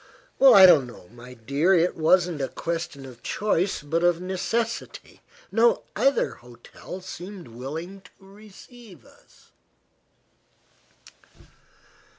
"I don't know, my dear. It wasn't a question of choice, but of necessity. No other hotel seemed willing to receive us."